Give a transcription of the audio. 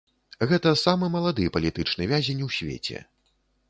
Гэта самы малады палітычны вязень у свеце.